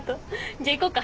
じゃあ行こうか。